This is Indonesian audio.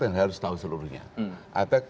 yang harus tahu seluruhnya ada